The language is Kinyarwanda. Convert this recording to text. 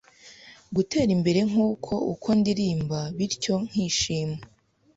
gutera imbere Nguko uko ndirimba bityo nkishima